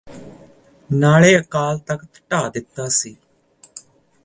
ਨਾਲੇ ਅਕਾਲ ਤਖਤ ਢਾਹ ਦਿੱਤਾ ਸੀ